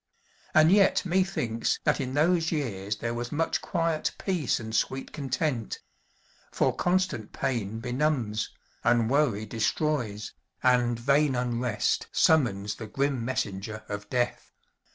And yet methinks that in those years there was much quiet peace and sweet content; for constant pain benumbs, and worry destroys, and vain unrest summons the grim messenger of death.